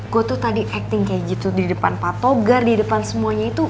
gue tuh tadi acting kayak gitu di depan pak togar di depan semuanya itu